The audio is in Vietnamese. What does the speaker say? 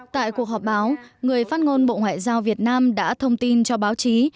tại cuộc họp báo người phát ngôn bộ ngoại giao việt nam đã thông tin cho báo chí